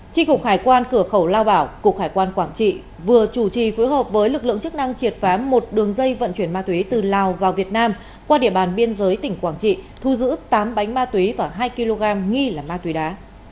tri cục hải quan cửa khẩu lao bảo cục hải quan quảng trị vừa chủ trì phối hợp với lực lượng chức năng triệt phá một đường dây vận chuyển ma túy từ lào vào việt nam qua địa bàn biên giới tỉnh quảng trị thu giữ tám bánh ma túy và hai kg nghi là ma túy đá